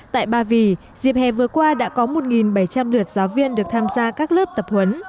tại ba vì dịp hè vừa qua đã có một bảy trăm linh lượt giáo viên được tham gia các lớp tập huấn